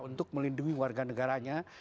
untuk melindungi warga negaranya